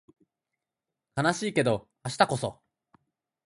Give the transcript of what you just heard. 悲しいけど明日こそ